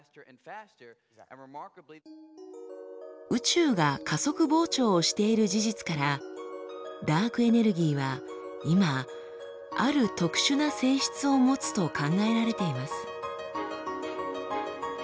宇宙が加速膨張をしている事実からダークエネルギーは今ある特殊な性質を持つと考えられています。